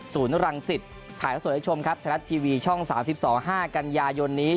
ศูนย์รังศิษย์ถ่ายแล้วส่วนให้ชมครับธนัดทีวีช่อง๓๒๕กันยายนนี้